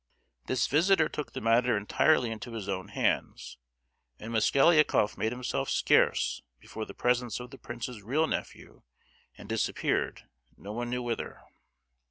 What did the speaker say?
This visitor took the matter entirely into his own hands, and Mosgliakoff made himself scarce before the presence of the prince's real nephew, and disappeared, no one knew whither.